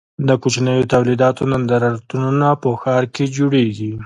د کوچنیو تولیداتو نندارتونونه په ښارونو کې جوړیږي.